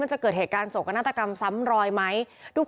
จะเกิดเหตุการณ์โศกนาฏกรรมซ้ำรอยไหม